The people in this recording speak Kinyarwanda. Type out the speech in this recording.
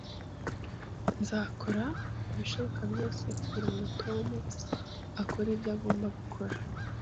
Nzakora ibishoboka byose kugirango Tom akore ibyo agomba gukora